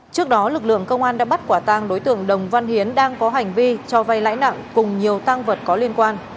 trước đó lực lượng công an đã bắt quả tang đối tượng đồng văn hiến đang có hành vi cho vay lãi nặng cùng nhiều tăng vật có liên quan